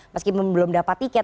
meski belum dapat tiket